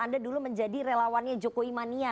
anda dulu menjadi relawannya jokowi mania